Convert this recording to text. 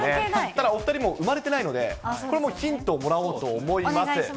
ただ、お２人も生まれてないので、これもヒントをもらおうと思います。